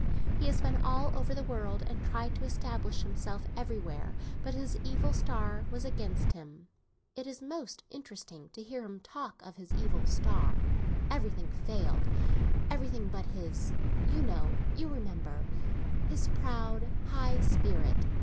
He has been all over the world, and tried to establish himself everywhere; but his evil star was against him. It is most interesting to hear him talk of his evil star. Everything failed; everything but his—you know, you remember—his proud, high spirit.